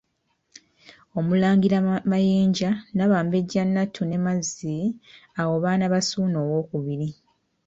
Omulangira Mayinja n'abambejja Nattu ne Mazzi, abo baana ba Ssuuna II.